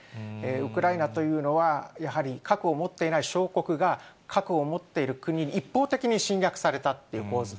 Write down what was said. ウクライナというのは、やはり核を持っていない小国が、核を持っている国に一方的に侵略されたという構図。